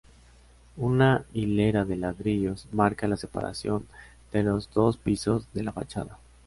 Una hilera de ladrillos marca la separación de los dos pisos de la fachada.